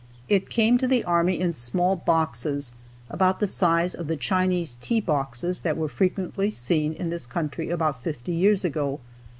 It came to the army in small boxes, about the size of the Chinese tea boxes that were frequently seen in this country about fifty years ago.